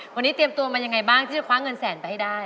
วันนี้เตรียมตัวมายังไงบ้างที่จะคว้าเงินแสนไปให้ได้